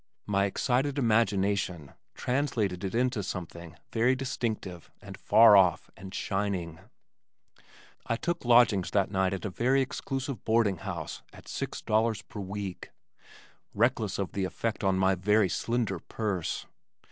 My excited imagination translated it into something very distinctive and far off and shining. I took lodgings that night at a very exclusive boarding house at six dollars per week, reckless of the effect on my very slender purse.